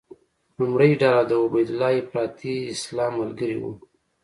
لومړۍ ډله د عبیدالله افراطي اسلام ملګري وو.